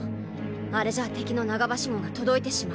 あれじゃ敵の長梯子が届いてしまう。